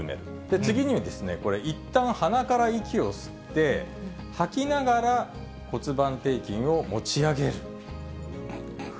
次にこれ、いったん鼻から息を吸って、吐きながら骨盤底筋を持ち上げる。